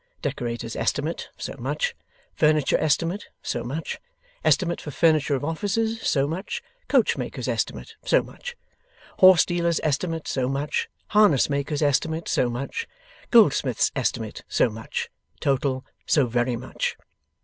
Decorator's estimate, so much. Furniture estimate, so much. Estimate for furniture of offices, so much. Coach maker's estimate, so much. Horse dealer's estimate, so much. Harness maker's estimate, so much. Goldsmith's estimate, so much. Total, so very much.